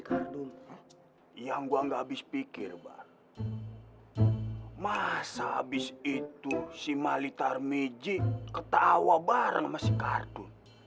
kartu yang gua nggak habis pikir bar masa habis itu si mali tarmidji ketawa bareng masih kartu